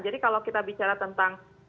jadi kalau kita bicara tentang